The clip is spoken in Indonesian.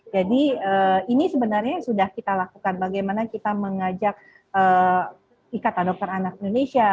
jadi ini sebenarnya sudah kita lakukan bagaimana kita mengajak ikatan dokter anak indonesia